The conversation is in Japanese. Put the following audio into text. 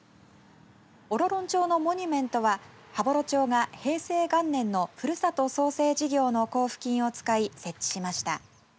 オロロン鳥のモニュメントは羽幌町が平成元年のふるさと創生事業の交付金を使い設置しました。